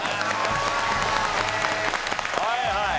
はいはい。